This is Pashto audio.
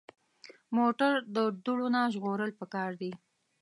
موټر د دوړو نه ژغورل پکار دي.